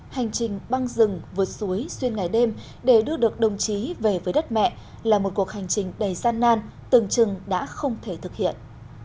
hành trình băng rừng vượt suối xuyên ngày đêm để đưa được đồng chí về với đất mẹ là một cuộc hành trình đầy gian nan từng chừng đã không thể thực hiện